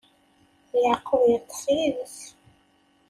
Yeɛqub iṭṭeṣ yid-s.